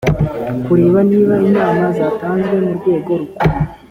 kureba niba inama zatanzwe mu rwego rukuru